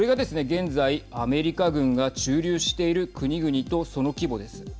現在、アメリカ軍が駐留している国々とその規模です。